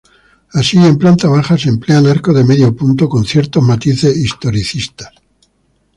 Así en planta baja, se emplean arcos de medio punto, con ciertos matices historicistas.